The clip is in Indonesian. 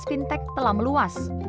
pembelian fintech telah meluas